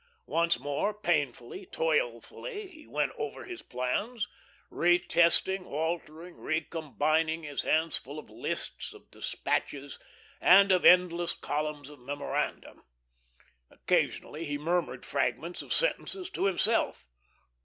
Once more, painfully, toilfully, he went over his plans, retesting, altering, recombining, his hands full of lists, of despatches, and of endless columns of memoranda. Occasionally he murmured fragments of sentences to himself.